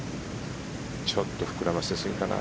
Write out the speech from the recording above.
ちょっと膨らませすぎかな。